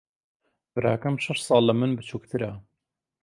براکەم شەش ساڵ لە من بچووکترە.